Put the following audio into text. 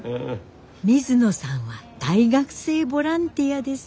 水野さんは大学生ボランティアです。